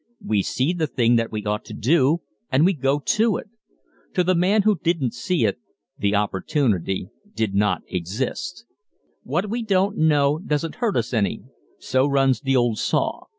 We see the thing that we ought to do and we go to it! To the man who didn't see it the opportunity did not exist. "What we don't know doesn't hurt us any" so runs the old saw.